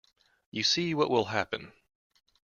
You see what will happen.